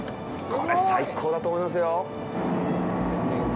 これ、最高だと思いますよ。